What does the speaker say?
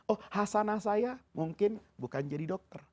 oh hasanah saya mungkin bukan jadi dokter